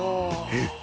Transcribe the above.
えっ？